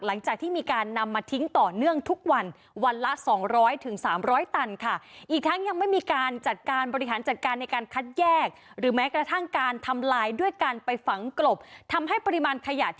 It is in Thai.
หลังจากที่มีการนำมาทิ้งต่อเนื่องทุกวันวันละสองร้อยถึงสามร้อยตันค่ะ